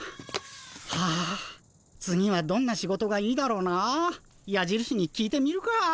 はあ次はどんな仕事がいいだろうな。やじるしに聞いてみるか。